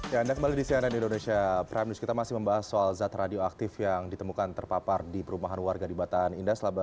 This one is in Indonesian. ya anda kembali di cnn indonesia prime news kita masih membahas soal zat radioaktif yang ditemukan terpapar di perumahan warga di batan indah